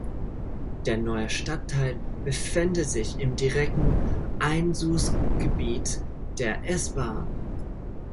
Der neue Stadtteil befände sich im direkten Einzugsgebiet der S-Bahn.